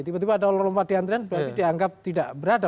tiba tiba ada lompat di antrian berarti dianggap tidak berada